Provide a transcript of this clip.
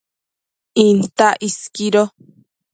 Intac isquido